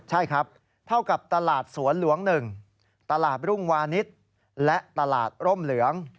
ใช่ครับเท่ากับตลาดสวนหลวง๑ตลาดรุ่งวานิสและตลาดร่มเหลือง